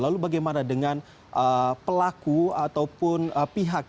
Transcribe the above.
lalu bagaimana dengan pelaku ataupun pihak